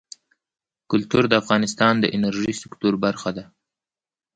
کلتور د افغانستان د انرژۍ سکتور برخه ده.